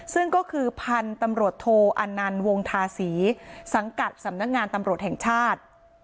ซึ่งก็คือพันธุ์ตำรวจโทอันนันต์วงทาศีสังกัดสำนักงานตำรวจแห่งชาติ